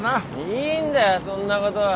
いいんだよそんなことは。